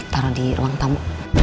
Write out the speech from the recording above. taruh di ruang tamu